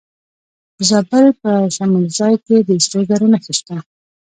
د زابل په شمولزای کې د سرو زرو نښې شته.